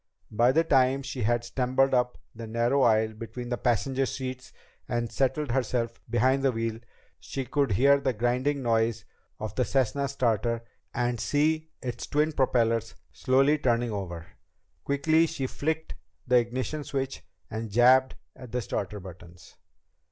By the time she had stumbled up the narrow aisle between the passenger seats and settled herself behind the wheel, she could hear the grinding noise of the Cessna's starter and see its twin propellers slowly turning over. Quickly she flicked the ignition switch and jabbed at the starter buttons.